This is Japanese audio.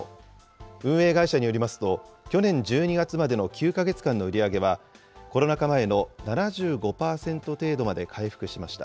運営会社によりますと、去年１２月までの９か月間の売り上げは、コロナ禍前の７５％程度まで回復しました。